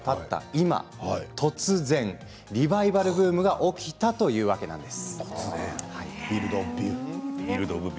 今突然、リバイバルブームが起きたというわけなんです。